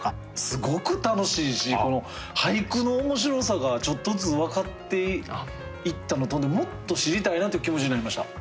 すごく楽しいし俳句の面白さがちょっとずつ分かっていったのともっと知りたいなという気持ちになりました。